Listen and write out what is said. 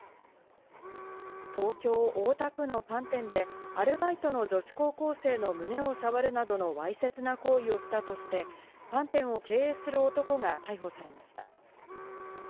東京・大田区のパン店でアルバイトの女子高校生の胸をさわるなどのわいせつな行為をしたとして、パン店を経営する男が逮捕されました。